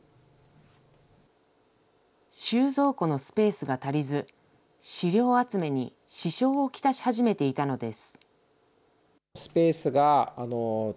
収蔵庫のスペースが足りず、資料集めに支障を来し始めていたのです。